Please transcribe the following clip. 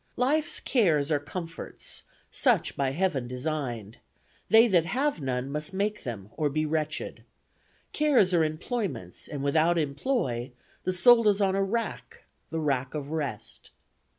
Life's cares are comforts; such by Heaven designed; They that have none must make them, or be wretched. Cares are employments, and, without employ, The soul is on a rack, the rack of rest.